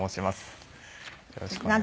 よろしくお願いします。